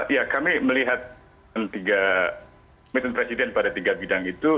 ya kami melihat komitmen presiden pada tiga bidang itu